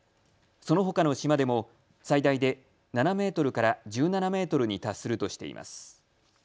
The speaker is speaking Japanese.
そのほかの島でも最大で７メートルから１７メートルに達するとしています。